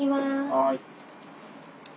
はい。